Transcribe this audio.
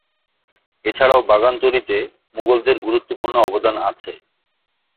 এছাড়াও বাগান তৈরিতে মুঘলদের গুরুত্বপূর্ণ অবদান আছে।